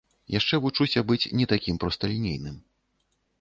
Яшчэ вучуся быць не такім просталінейным.